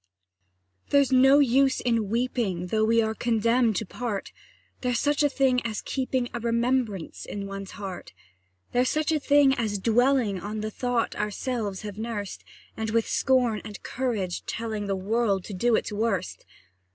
There's no use in weeping, Though we are condemned to part: There's such a thing as keeping A remembrance in one's heart: There's such a thing as dwelling On the thought ourselves have nursed, And with scorn and courage telling The world to do its worst.